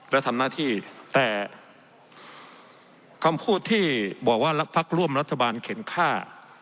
และทำหน้าที่แต่คำพูดที่บอกว่าพักร่วมรัฐบาลเข็นค่า